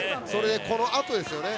このあとですね。